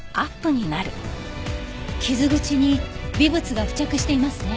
傷口に微物が付着していますね。